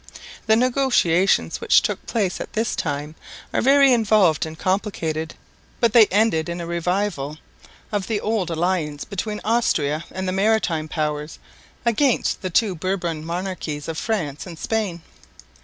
The negotiations which took place at this time are very involved and complicated, but they ended in a revival of the old alliance between Austria and the maritime powers against the two Bourbon monarchies of France and Spain.